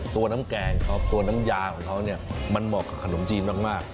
ตัวน้ำแกงครับตัวน้ำยาของเขาเนี่ยมันเหมาะกับขนมจีนมาก